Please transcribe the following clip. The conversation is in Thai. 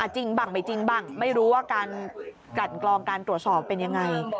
จริงบ้างไม่จริงบ้างไม่รู้ว่าการกลั่นกลองการตรวจสอบเป็นยังไง